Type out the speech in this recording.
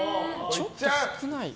ちょっと少ない？